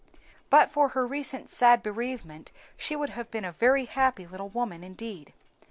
But for her recent sad bereavement she would have been a very happy little woman indeed.